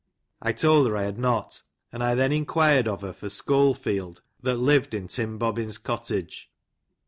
'" I told her I had not ; and I then enquired of her for Scholefield that lived in Tim Bobbin's cottage.